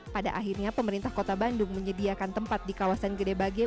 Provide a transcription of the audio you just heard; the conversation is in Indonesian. pada akhirnya pemerintah kota bandung menyediakan tempat di kawasan gede bage